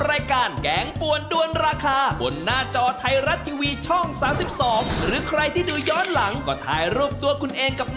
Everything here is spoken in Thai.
มิตรภาพนี่แหละครับ